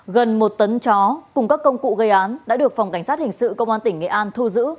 gần một tấn chó cùng các công cụ gây án đã được phòng cảnh sát hình sự công an tỉnh nghệ an thu giữ